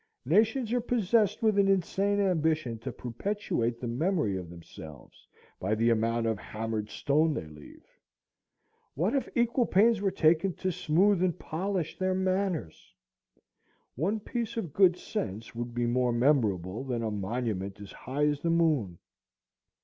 Nations are possessed with an insane ambition to perpetuate the memory of themselves by the amount of hammered stone they leave. What if equal pains were taken to smooth and polish their manners? One piece of good sense would be more memorable than a monument as high as the moon.